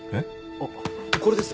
あっこれです。